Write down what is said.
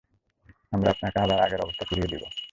আমরা আপনাকে আবার আগের অবস্থায় ফিরিয়ে দিবো।